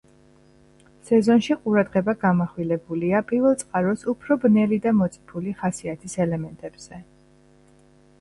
სეზონში ყურადღება გამახვილებულია პირველწყაროს უფრო ბნელი და მოწიფული ხასიათის ელემენტებზე.